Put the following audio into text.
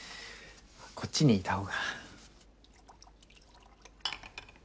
こっちにいたほうが。